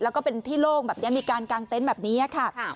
แล้วก็เป็นที่โล่งมีการกางเต้นแบบนี้ค่ะ